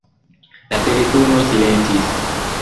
La telefono silentis.